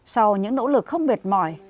sau những nỗ lực không vệt mỏi